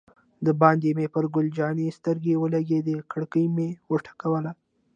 دباندې مې پر ګل جانې سترګې ولګېدې، کړکۍ مې و ټکول.